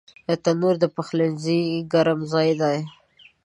تنور د پخلنځي ګرم ځای دی